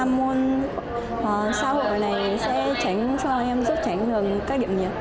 ba môn xã hội này sẽ cho em giúp tránh các điểm nhiệt